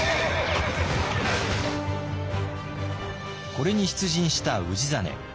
これに出陣した氏真。